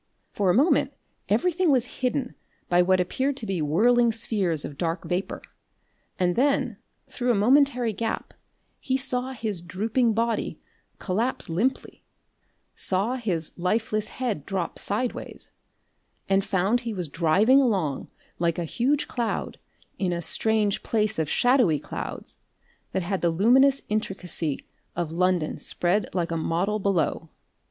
For a moment everything was hidden by what appeared to be whirling spheres of dark vapour, and then through a momentary gap he saw his drooping body collapse limply, saw his lifeless head drop sideways, and found he was driving along like a huge cloud in a strange place of shadowy clouds that had the luminous intricacy of London spread like a model below.